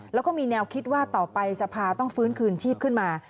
แล้วก็มีแนวคิดว่าต่อไปสภาต้องฟื้นคืนชีพขึ้นมา